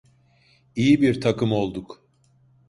İyi bir takım olduk.